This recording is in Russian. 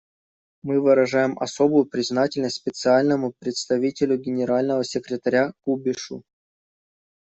Мы выражаем особую признательность Специальному представителю Генерального секретаря Кубишу.